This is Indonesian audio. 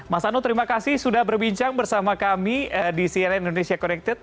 mas anu terima kasih sudah berbincang bersama kami di cnn indonesia connected